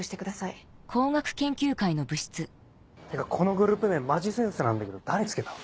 このグループ名マジセンスなんだけど誰付けたの？